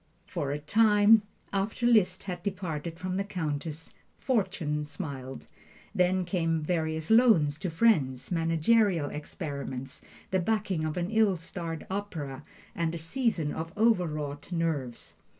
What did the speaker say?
For a time after Liszt had parted from the Countess, fortune smiled. Then came various loans to friends, managerial experiments, the backing of an ill starred opera, and a season of overwrought nerves.